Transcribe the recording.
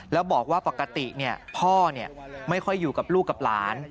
แล้วบอกว่าปกติพ่อไม่ค่อยอยู่กับลูกกับหลาน